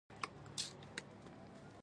جالبه دا وه چې د بنګله دېش.